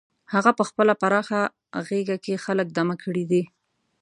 هغه په خپله پراخه غېږه کې خلک دمه کړي دي.